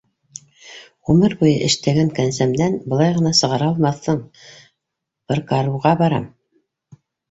Ғүмер буйы эштәгән кәнсәмдән былай ғына сығара алмаҫһың - пыркарурға барам!